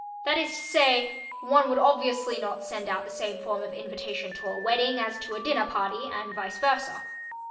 That is to say, one would obviously not send out the same form of invitation to a wedding as to a dinner party, and vice versa.